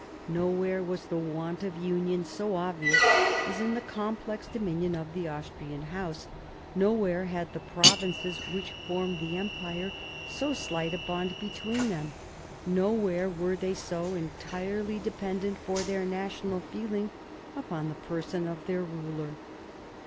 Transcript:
Nowhere was the want of union so obvious as in the complex dominion of the Austrian House; nowhere had the provinces which formed the Empire so slight a bond between them ; no where were they so entirely dependent for their national feeling upon the person of their ruler.